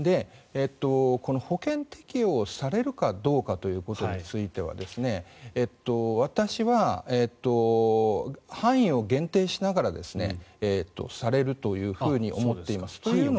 この保険適用されるかどうかということについては私は範囲を限定しながらされるというふうに思っています。